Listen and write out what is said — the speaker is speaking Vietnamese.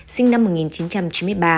sinh năm một nghìn chín trăm chín mươi ba